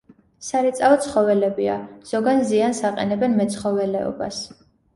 სარეწაო ცხოველებია, ზოგან ზიანს აყენებენ მეცხოველეობას.